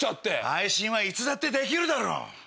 配信はいつだってできるだろ！